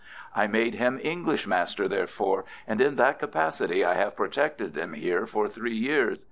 I made him English master therefore, and in that capacity I have protected him here for three years.